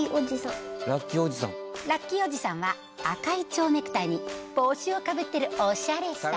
ラッキーおじさんは赤いちょうネクタイに帽子をかぶってるおしゃれさん。